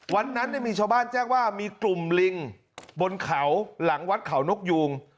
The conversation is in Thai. วันนั้นมีชาวบ้านแจ้งว่ามีกลุ่มลิงบนเขาหลังวัดเขานกยูง